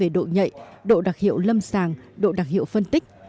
độ nhạy độ đặc hiệu lâm sàng độ đặc hiệu phân tích